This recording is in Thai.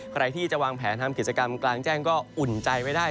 ใครที่จะวางแผนทำกิจกรรมกลางแจ้งก็อุ่นใจไม่ได้